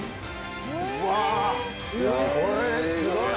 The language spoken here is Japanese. うわこれすごない？